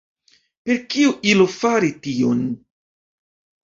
Per kiu ilo fari tion?